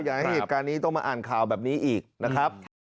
อย่าให้เหตุการณ์นี้ต้องมาอ่านข่าวแบบนี้อีกนะครับ